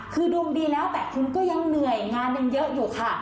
คือดวงดีแล้วแต่คุณก็ยังเหนื่อยงานยังเยอะอยู่ค่ะ